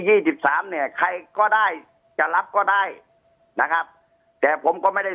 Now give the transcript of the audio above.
สิบสามเนี่ยใครก็ได้จะรับก็ได้นะครับแต่ผมก็ไม่ได้